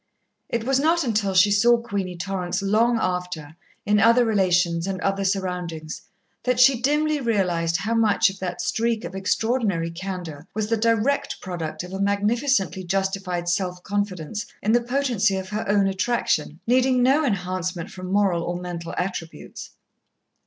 It was not until she saw Queenie Torrance long after, in other relations and other surroundings, that she dimly realized how much of that streak of extraordinary candour was the direct product of a magnificently justified self confidence in the potency of her own attraction, needing no enhancement from moral or mental attributes.